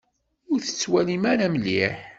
Ur tettwalim ara mliḥ.